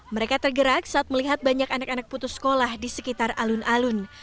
mereka tergerak saat melihat banyak anak anak putus sekolah di sekitar alun alun